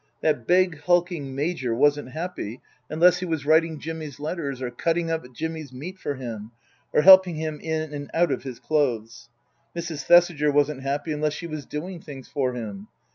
That big, hulking Major wasn't happy unless he was writing Jimmy's letters, or cutting up Jimmy's meat for him, or helping him in and out of his clothes. Mrs. Thesiger wasn't happy unless she was doing things for him.